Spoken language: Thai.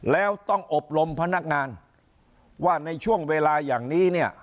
แล้วต้องอบรมพนักงานว่าในช่วงเวลาอย่างนี้เนี่ย